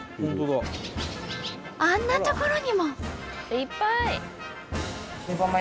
あんな所にも！